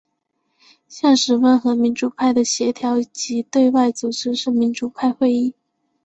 现时温和民主派的协调及对外组织是民主派会议。